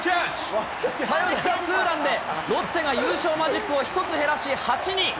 ツーランでロッテが優勝マジックまで１つ減らし、８に。